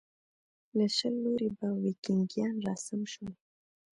له شل لوري به ویکینګیان راسم شول.